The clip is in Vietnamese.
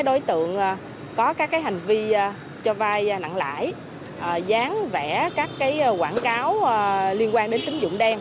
đối tượng có các hành vi cho vai nặng lãi dán vẽ các quảng cáo liên quan đến tính dụng đen